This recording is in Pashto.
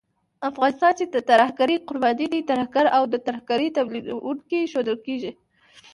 افغانستان چې د ترهګرۍ قرباني دی، ترهګر او د ترهګرۍ تمويلوونکی ښودل کېږي